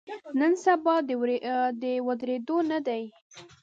نن سبا د ودریدو نه دی.